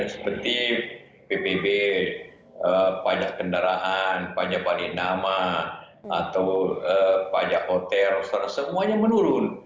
seperti pbb pajak kendaraan pajak bali nama atau pajak hotel semuanya menurun